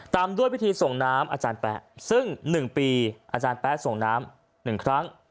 ตามด้วยพิธีส่งน้ำอาจารย์แป๊ะซึ่ง๑ปีอาจารย์แป๊ะส่งน้ำ๑ครั้ง